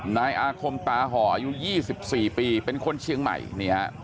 นายอาคมตาห่ออายุ๒๔ปีเป็นคนเชียงใหม่นี่ฮะ